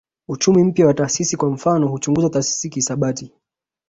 Uchumi mpya wa taasisi kwa mfano huchunguza taasisi kihisabati